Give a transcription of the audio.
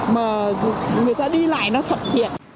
mà người ta đi lại nó thuận thiện